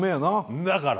「んだから」。